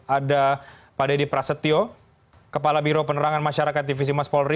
ada pak deddy prasetyo kepala biro penerangan masyarakat divisi mas polri